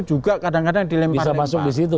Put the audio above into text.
juga kadang kadang dilempar bisa masuk disitu